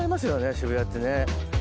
渋谷ってね。